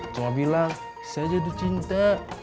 cuma bilang saya jatuh cinta